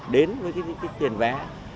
đến với cái tiền vé